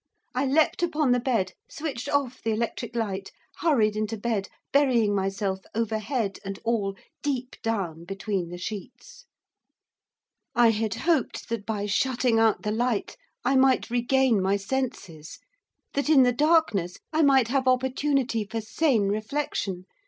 I leaped upon the bed, switched off the electric light, hurried into bed, burying myself, over head and all, deep down between the sheets. I had hoped that by shutting out the light, I might regain my senses. That in the darkness I might have opportunity for sane reflection.